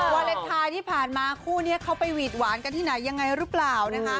วาเลนไทยที่ผ่านมาคู่นี้เขาไปหวีดหวานกันที่ไหนยังไงหรือเปล่านะคะ